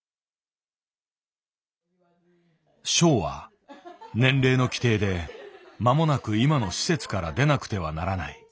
ショウは年齢の規定で間もなく今の施設から出なくてはならない。